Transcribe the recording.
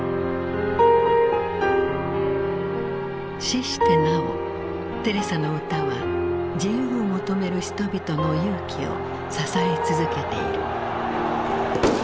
死してなおテレサの歌は自由を求める人々の勇気を支え続けている。